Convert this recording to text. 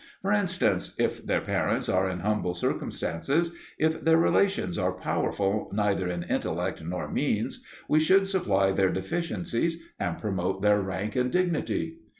For instance, if their parents are in humble circumstances, if their relations are powerful neither in intellect nor means, we should supply their deficiencies and promote their rank and dignity.